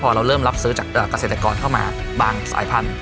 พอเราเริ่มรับซื้อจากเกษตรกรเข้ามาบางสายพันธุ์